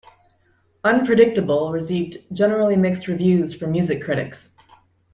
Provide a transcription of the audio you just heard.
"Unpredictable" received generally mixed reviews from music critics.